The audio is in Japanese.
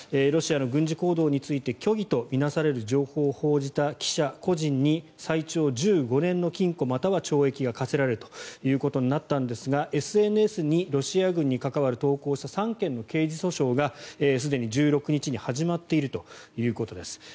ロシアの軍事行動について虚偽と見なされる情報を報じた記者、個人に最長１５年の禁錮または懲役が科せられるということになったんですがＳＮＳにロシア軍に関わる投稿をした３件の刑事訴訟がすでに１６日に始まっているということです。